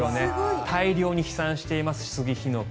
大量に飛散していますスギ・ヒノキ。